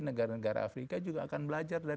negara negara afrika juga akan belajar dari